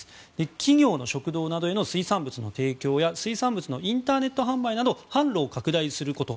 企業の食堂などへの水産物の提供や水産物のインターネット販売など販路を拡大すること。